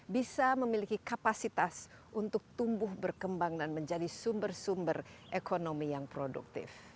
bisa memiliki kapasitas untuk tumbuh berkembang dan menjadi sumber sumber ekonomi yang produktif